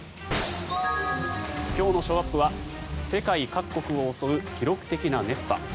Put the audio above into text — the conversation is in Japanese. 今日のショーアップは世界各国を襲う記録的な熱波。